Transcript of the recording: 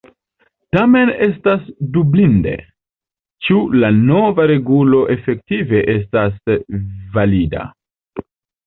Tamen estas dubinde, ĉu la nova regulo efektive estas valida.